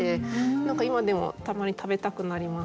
何か今でもたまに食べたくなります。